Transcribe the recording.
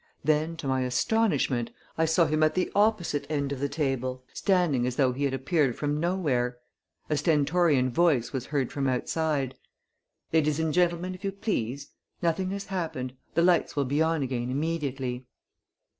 Then, to my astonishment, I saw him at the opposite end of the table, standing as though he had appeared from nowhere. A stentorian voice was heard from outside: "Ladies and gentlemen, if you please! Nothing has happened. The lights will be on again immediately."